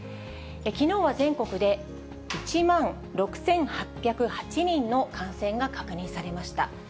きのうは全国で１万６８０８人の感染が確認されました。